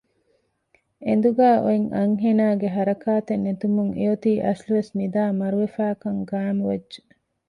އެނދުގައި އޮތް އަންހެނާގެ ހަރަކާތެއް ނެތުމުން އެއޮތީ އަސްލުވެސް ނިދައި މަރުވެފައިކަން ގައިމުވެއްޖެ